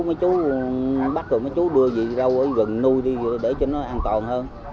mấy chú bắt rồi mấy chú đưa gì rau ở gần nuôi đi để cho nó an toàn hơn